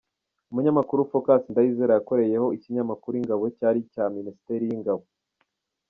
Umunyamakuru Phocas Ndayizera yakoreyeho Ikinyamakuru Ingabo cyari icya minisitere y’ingabo.